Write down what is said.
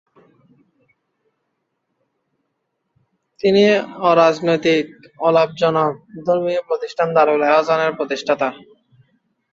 তিনি অরাজনৈতিক, অলাভজনক, ধর্মীয় প্রতিষ্ঠান দারুল এহসান এর প্রতিষ্ঠাতা।